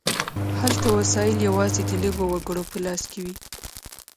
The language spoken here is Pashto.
هلته وسایل یوازې د لږو وګړو په لاس کې وي.